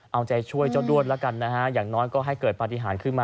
เอาใจช่วยเจ้าด้วนแล้วกันนะฮะอย่างน้อยก็ให้เกิดปฏิหารขึ้นมา